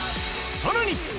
さらに。